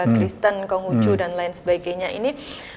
kristen konghucu dan lain sebagainya ini